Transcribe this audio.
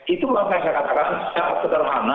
itulah yang saya katakan secara sederhana